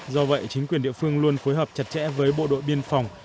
do vậy chính quyền địa phương luôn phối hợp chặt chẽ với bộ đội biên phòng